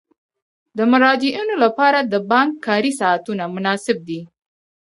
د مراجعینو لپاره د بانک کاري ساعتونه مناسب دي.